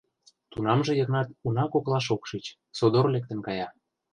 Тунамже Йыгнат уна коклаш ок шич, содор лектын кая...